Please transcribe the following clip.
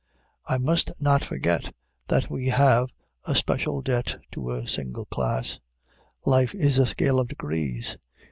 I must not forget that we have a special debt to a single class. Life is a scale of degrees.